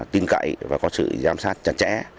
tin cậy và có sự giám sát chặt chẽ